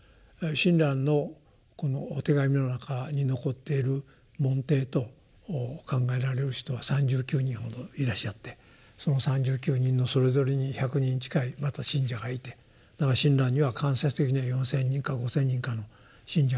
親鸞のこの手紙の中に残っている門弟と考えられる人は３９人ほどいらっしゃってその３９人のそれぞれに１００人近いまた信者がいてだから親鸞には間接的には４，０００人か５，０００人かの信者がいらしたんでしょう。